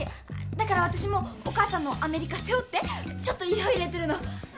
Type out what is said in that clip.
だから私もお母さんのアメリカ背負ってちょっと色入れてるの。